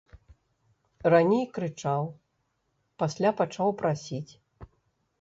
Раней крычаў, пасля пачаў прасіць.